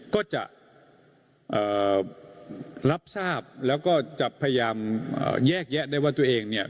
ก็จะรับทราบแล้วก็จะพยายามแยกแยะได้ว่าตัวเองเนี่ย